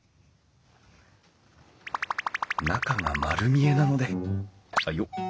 中が丸見えなのであよっ。